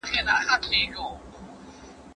زه هیڅکله خپل مسؤلیت بل ته نه سپارم.